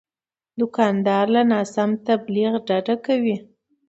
دوکاندار له ناسم تبلیغ ډډه کوي.